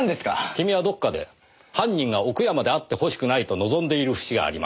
君はどこかで犯人が奥山であってほしくないと望んでいる節がありました。